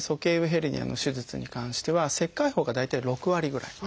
ヘルニアの手術に関しては切開法が大体６割ぐらい。